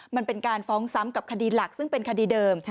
มันเป็นการฟ้องซ้ำกับคดีหลักซึ่งเป็นคดีเดิม